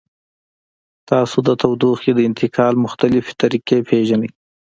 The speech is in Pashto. تاسو د تودوخې د انتقال مختلفې طریقې پیژنئ؟